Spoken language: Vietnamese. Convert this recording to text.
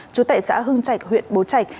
chú tệ xã hưng trạch huyện bố trạch